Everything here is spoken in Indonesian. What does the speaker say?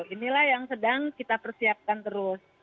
inilah yang sedang kita persiapkan terus